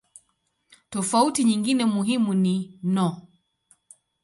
Tofauti nyingine muhimu ni no.